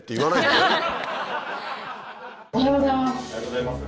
おはようございます。